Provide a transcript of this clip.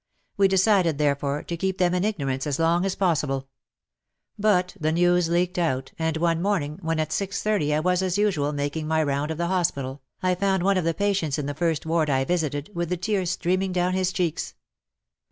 We decided, therefore, to keep them in ignorance as long as possible. WAR AND WOMEN 191 But the news leaked out, and one morning, when at 6.30 I was as usual making my round of the hospital, I found one of the patients in the first ward I visited, with the tears streaming down his cheeks.